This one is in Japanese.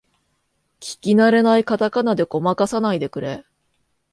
聞きなれないカタカナでごまかさないでくれ